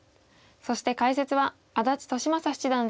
そして解説は安達利昌七段です。